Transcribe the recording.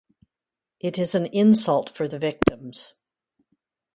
It is an insult for the victims.